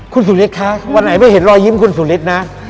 คุณสุฤทธิคะวันไหนไม่เห็นรอยยิ้มคุณสุฤทธิ์นะ